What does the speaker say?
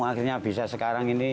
akhirnya bisa sekarang ini